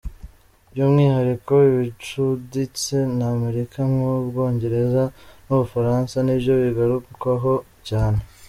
By’umwihariko ibicuditse na Amerika nk’u Bwongereza n’u Bufaransa nibyo bigarukwaho cyane.